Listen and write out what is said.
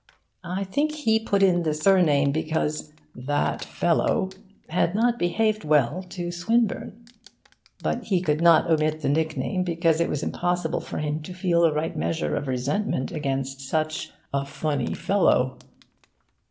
I think he put in the surname because 'that fellow' had not behaved well to Swinburne. But he could not omit the nickname, because it was impossible for him to feel the right measure of resentment against 'such a funny fellow.